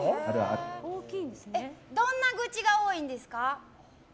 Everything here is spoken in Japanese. どんな愚痴が多いんですか？